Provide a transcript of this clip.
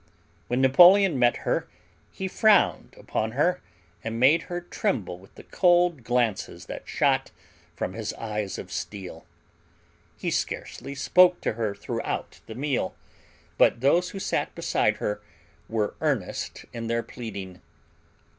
When Napoleon met her he frowned upon her and made her tremble with the cold glances that shot from his eyes of steel. He scarcely spoke to her throughout the meal, but those who sat beside her were earnest in their pleading.